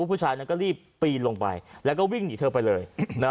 ผู้ชายนั้นก็รีบปีนลงไปแล้วก็วิ่งหนีเธอไปเลยนะ